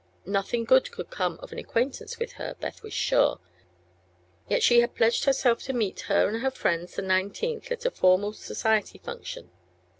Nothing good could come of an acquaintance with her, Beth was sure; yet she had pledged herself to meet her and her friends the nineteenth, lit a formal society function.